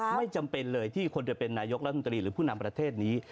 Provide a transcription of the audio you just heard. ไม่จำเป็นเลยที่คนจะเป็นนายกรัฐมนตรีหรือผู้นำประเทศนี้